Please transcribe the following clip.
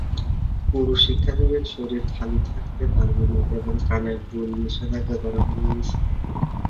পুরুষ শিক্ষার্থীদের শরীর খালি থাকতে পারবে না এবং কানের দুল নিষেধাজ্ঞা করা রয়েছে।